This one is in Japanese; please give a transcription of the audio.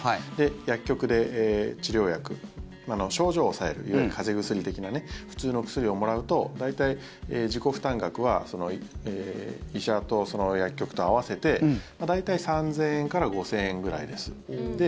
薬局で治療薬、症状を抑えるいわゆる風邪薬的な普通のお薬をもらうと大体、自己負担額は医者と薬局と合わせて大体３０００円から５０００円ぐらいです。